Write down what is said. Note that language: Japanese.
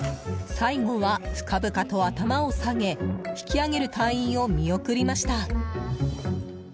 最後は深々と頭を下げ引き揚げる隊員を見送りました。